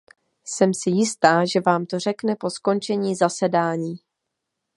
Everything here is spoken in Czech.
Jsem si jistá, že Vám to řekne po skončení zasedání!